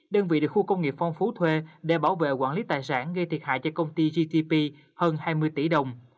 đơn vị được khu công nghiệp phong phú thuê để bảo vệ quản lý tài sản gây thiệt hại cho công ty gtp hơn hai mươi tỷ đồng